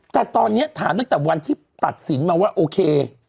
แต่ตอนนี้ถามตั้งแต่วันที่ตัดสินมาว่าโอเค